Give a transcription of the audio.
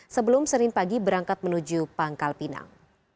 sebelum senin pagi berangkat menuju pangkal pinang